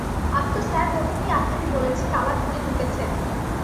আমি তো স্যার প্রথমেই আপনাকে বলেছি তালা ভেঙে ঢুকেছে।